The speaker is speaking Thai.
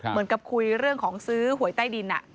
เหมือนกับคุยเรื่องของซื้อหวยใต้ดิน